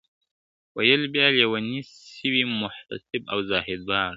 ویل بیا لېوني سوي محتسب او زاهد دواړه `